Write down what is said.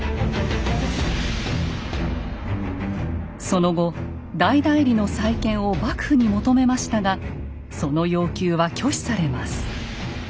その後大内裏の再建を幕府に求めましたがその要求は拒否されます。